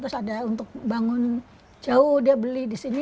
terus ada untuk bangun jauh dia beli di sini